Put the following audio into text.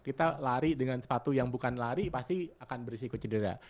kita lari dengan sepatu yang bukan lari pasti akan berisiko cedera